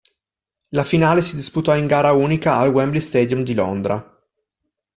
La finale si disputò in gara unica al Wembley Stadium di Londra.